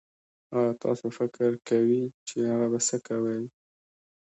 ايا تاسو فکر کوي چې هغه به سه کوئ